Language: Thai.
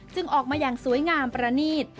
ออกมาอย่างสวยงามประนีต